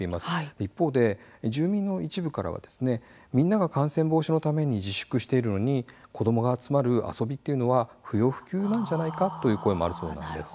一方で住民の一部からはみんなが感染防止のために自粛しているのに子どもが集まる遊びは不要不急なのではないかという声もあるそうなんです。